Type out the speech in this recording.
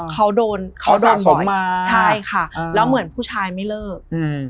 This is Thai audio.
เขาโดนเขาโดนผมมาใช่ค่ะแล้วเหมือนผู้ชายไม่เลิกอืม